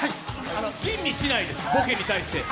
吟味しないです、ボケに対して。